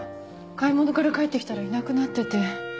買い物から帰ってきたらいなくなってて。